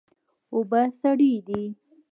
اوبه سړې دي.